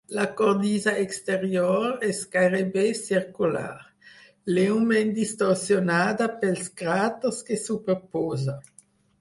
La cornisa exterior és gairebé circular, lleument distorsionada pels cràters que superposa.